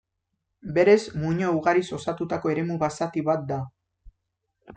Berez muino ugariz osatutako eremu basati bat da.